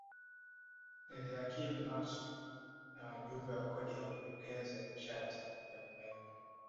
Eliakim Maswi na wajumbe wa Bodi ya Wakurugenzi ya nishati ya umeme